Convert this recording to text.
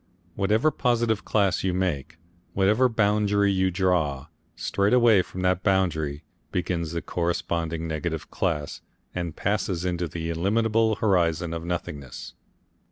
Whatever positive class you make, whatever boundary you draw, straight away from that boundary begins the corresponding negative class and passes into the illimitable horizon of nothingness.